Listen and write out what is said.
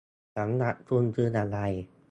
สำหรับคุณคืออะไร ?